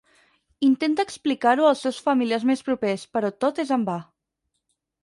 Intenta explicar-ho als seus familiars més propers però tot és en va.